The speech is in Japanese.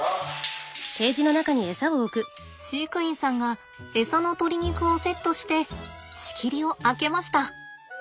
飼育員さんがエサの鶏肉をセットして仕切りを開けました。